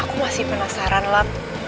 aku masih penasaran lat